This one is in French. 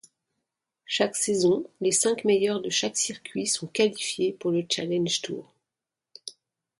Chaque saison les cinq meilleurs de chaque circuit sont qualifiés pour le Challenge Tour.